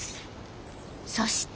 そして。